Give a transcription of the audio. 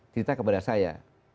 cerita kepada saya